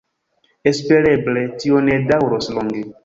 Espereble tio ne daŭros longe.